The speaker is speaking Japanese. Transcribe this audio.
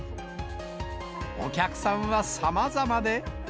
お客さんはさまざまで。